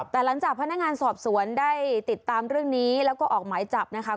แต่หลังจากพนักงานสอบสวนได้ติดตามเรื่องนี้แล้วก็ออกหมายจับนะคะ